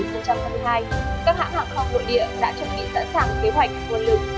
các hãng hạng không nội địa đã chuẩn bị tận sản kế hoạch quân lực